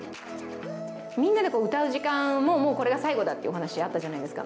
みんなで歌う時間も、これが最後だって話があったじゃないですか